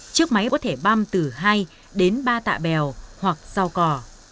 chiếc máy có thể băm từ hai đến ba tạ bèo hoặc rau cỏ